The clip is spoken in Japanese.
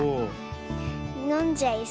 のんじゃいそう。